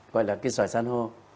gọi là cái sỏi san hô